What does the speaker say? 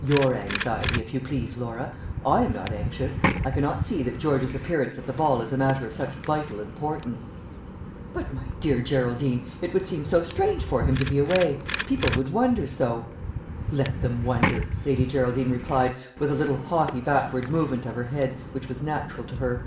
"Your anxiety, if you please, Laura. I am not anxious. I cannot see that George's appearance at the ball is a matter of such vital importance." "But, my deal Geraldine, it would seem so strange for him to be away. People would wonder so." "Let them wonder," Lady Geraldine replied, with a little haughty backward movement of her head, which was natural to her.